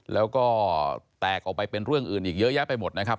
แล้วก็แตกออกไปเป็นเรื่องอื่นอีกเยอะแยะไปหมดนะครับ